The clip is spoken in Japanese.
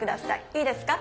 いいですか？